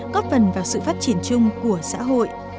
góp phần vào sự phát triển chung của xã hội